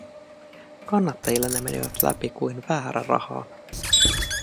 Kannattajille ne menivät läpi kuin väärä raha.